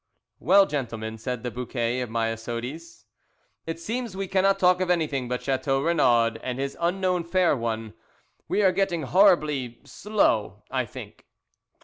"Well, gentlemen," said the bouquet of myosotis, "it seems we cannot talk of anything but Chateau Renaud and his unknown fair one. We are getting horribly 'slow,' I think."